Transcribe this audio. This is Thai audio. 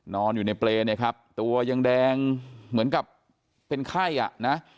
นอนอยู่ในเปรย์เนี่ยครับตัวยังแดงเหมือนกับเป็นไข้อ่ะนะ